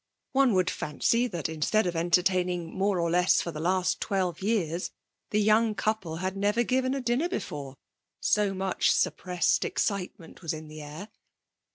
One would fancy that instead of entertaining more or less for the last twelve years the young couple had never given a dinner before; so much suppressed excitement was in the air.